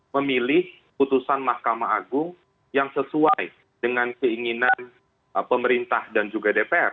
memilih putusan mahkamah agung yang sesuai dengan keinginan pemerintah dan juga dpr